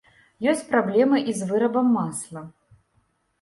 Ёсць праблема і з вырабам масла.